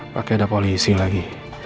pakai ada polisi lagi